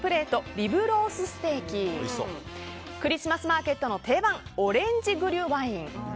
リブロースステーキクリスマスマーケットの定番オレンジグリュワイン。